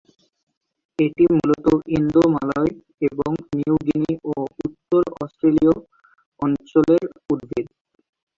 এটি মূলত ইন্দোমালয় এবং নিউ গিনি ও উত্তর অস্ট্রেলিয়া অঞ্চলের উদ্ভিদ।